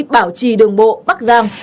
bảo trì đường bộ bắc giang